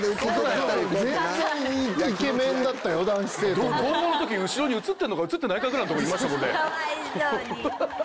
動画の時後ろに映ってるのか映ってないかぐらいのとこにいましたもんね。